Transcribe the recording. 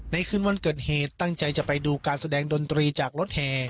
คืนวันเกิดเหตุตั้งใจจะไปดูการแสดงดนตรีจากรถแห่